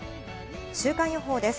週間予報です。